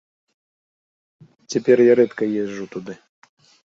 Цяпер я рэдка езджу туды.